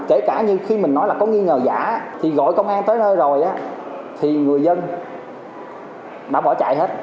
kể cả nhưng khi mình nói là có nghi ngờ giả thì gọi công an tới nơi rồi thì người dân đã bỏ chạy hết